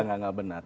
gak gak benar